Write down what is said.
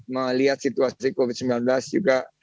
melihat situasi covid sembilan belas juga